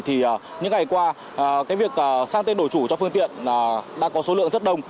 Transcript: thì những ngày qua cái việc sang tên đổi chủ cho phương tiện đã có số lượng rất đông